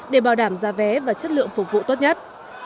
để bảo đảm ra vé và chất lượng phục vụ tốt nhất